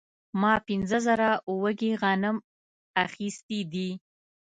ما پنځه زره وږي غنم اخیستي دي